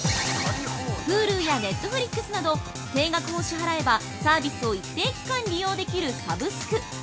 ＦｕｌｕやＮｅｔｆｌｉｘなど定額を支払えばサービスを一定期間利用できるサブスク。